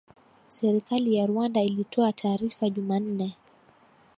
Serikali ya Rwanda ilitoa taarifa Jumanne